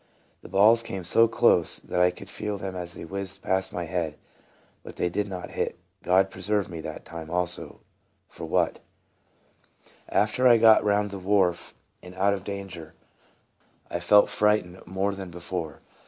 The balls came so close that I could feel them as they whizzed past my head, but they did not hit. God preserved me that time also ; for what ? MERCIES OF GOD. 43 After I got round the wharf and out of danger, I felt frightened more than before.